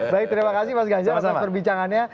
baik terima kasih mas ganjar atas perbincangannya